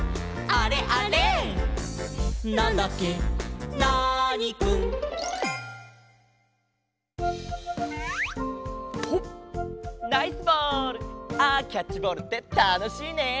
あキャッチボールってたのしいね。